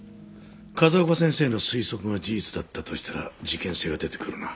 風丘先生の推測が事実だったとしたら事件性が出てくるな。